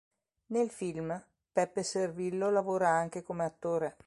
Nel film Peppe Servillo lavora anche come attore.